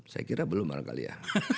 saya kira belum barangkali ya